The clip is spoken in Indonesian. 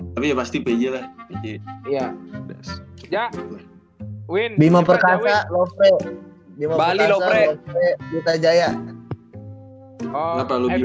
tapi pasti pijat iya ya win bima perkasa lofe lima bali lofret kita jaya oh sama kayak kayak